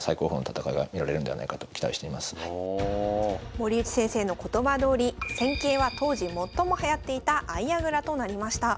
森内先生の言葉どおり戦型は当時最もはやっていた相矢倉となりました。